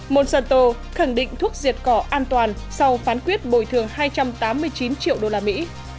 monsanto khẳng định thuốc diệt cỏ an toàn sau phán quyết bồi thường hai trăm tám mươi chín triệu đô la mỹ